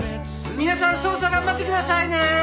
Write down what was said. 「皆さん捜査頑張ってくださいね！」